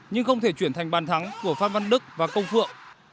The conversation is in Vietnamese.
nhưng không thể chuyển thành bàn thắng của phan văn đức và công phượng